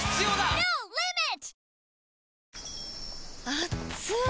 あっつい！